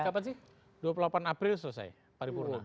targetnya kapan sih dua puluh delapan april selesai pariwurna dua